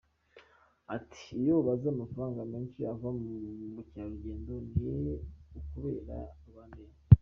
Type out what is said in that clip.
Ati” Iyo ubaze amafaranga menshi ava mu bukerarugendo, ni ukubera RwandAir.